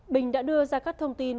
bình đã đưa ra các thông tin